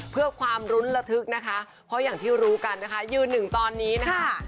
เพื่อความรุ้นระทึกนะคะเพราะอย่างที่รู้กันนะคะยืนหนึ่งตอนนี้นะคะ